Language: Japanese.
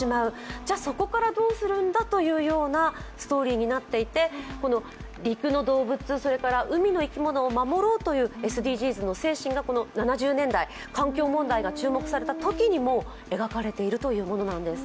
じゃあそこからどうするんだというようなストーリーになっていて陸の動物、それから海の生き物を守ろうというＳＤＧｓの精神がこの７０年代環境問題が注目されたときに、もう描かれているんです。